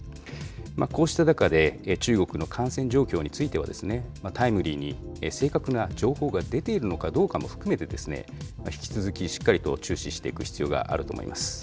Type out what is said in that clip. こうした中で、中国の感染状況については、タイムリーに正確な情報が出ているのかどうかも含めて、引き続きしっかりと注視していく必要があると思います。